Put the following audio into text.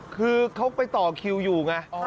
คือเขาไปต่อคิวอยู่ไง